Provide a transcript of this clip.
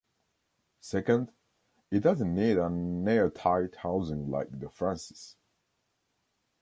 Second, it doesn't need an airtight housing like the Francis.